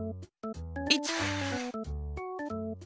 １！